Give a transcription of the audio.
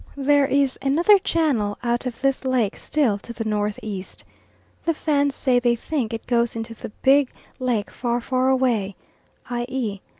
There is another channel out of this lake, still to the N.E. The Fans say they think it goes into the big lake far far away, i.e.